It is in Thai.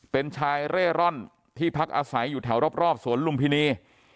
เป็นชายเร่ร่อนที่พักอาศัยอยู่แถวรอบสวนลุมพินี